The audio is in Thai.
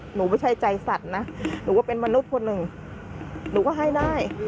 ไม่ใช่ใจสัตว์นะหนูก็เป็นมนุษย์คนหนึ่งหนูก็ให้ได้